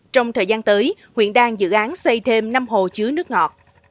trong thời gian tới huyện đang dự án xây thêm năm hồ chứa nước ngọt